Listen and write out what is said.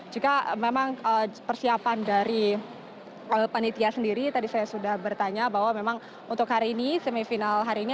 jika memang persiapan dari panitia sendiri tadi saya sudah bertanya bahwa memang untuk hari ini semifinal hari ini